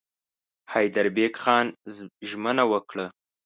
حیدربېګ خان ژمنه وکړه.